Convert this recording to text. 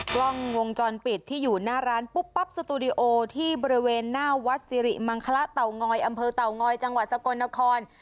กล้องวงจรปิดที่อยู่หน้าร้านปุ๊บปั๊บสตูดิโอที่บริเวณหน้าวัดสิริมังคละเตางอยอำเภอเต่างอยจังหวัดสกลนคร